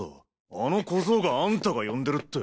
あの小僧があんたが呼んでるって。